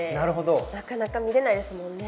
なかなか見れないですもんね。